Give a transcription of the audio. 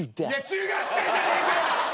中学生じゃねえから！